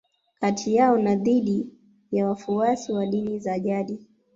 Kati yao na dhidi ya wafuasi wa dini za jadi